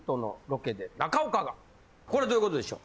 これどういうことでしょう？